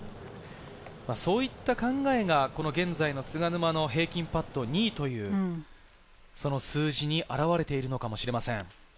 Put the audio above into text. そういった考えが現在の菅沼の平均パット２位という、この数字に表れているのかもしれません。